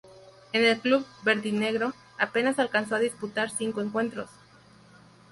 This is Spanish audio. En el club "verdinegro" apenas alcanzó a disputar cinco encuentros.